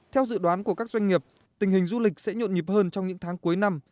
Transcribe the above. theo dự đoán của các doanh nghiệp tình hình du lịch sẽ nhộn nhịp hơn trong những tháng cuối năm